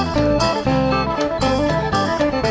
โชว์ฮีตะโครน